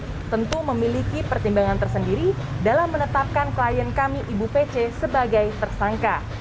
penyidik tentu memiliki pertimbangan tersendiri dalam menetapkan klien kami ibu pc sebagai tersangka